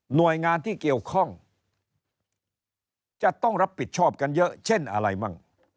หน่วยงานที่เกี่ยวข้องจะต้องรับผิดชอบกันเยอะเช่นอะไรมั่ง